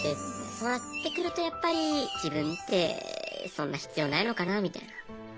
そうなってくるとやっぱり自分ってそんな必要ないのかなみたいな。